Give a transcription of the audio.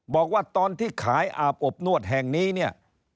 บอกว่าตอนที่ขายอาบอบนวดแห่งนี้เนี่ย